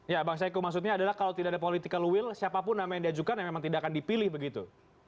ya bang saiku maksudnya adalah kalau tidak ada political will siapapun nama yang diajukan ya memang tidak akan dipilih begitu